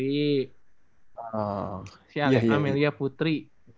si aleh amelia putri